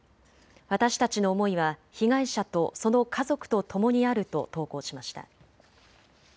私たちの思いは被害者とその家族とともにあると投稿しました。